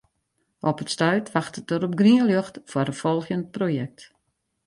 Op it stuit wachtet er op grien ljocht foar in folgjend projekt.